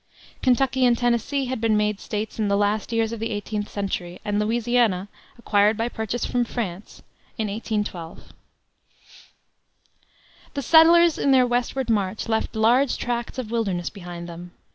Kentucky and Tennessee had been made States in the last years of the eighteenth century, and Louisiana acquired by purchase from France in 1812. The settlers, in their westward march, left large tracts of wilderness behind them.